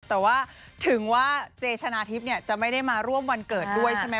แต่ว่าถึงว่าเจชนะทิพย์จะไม่ได้มาร่วมวันเกิดด้วยใช่ไหม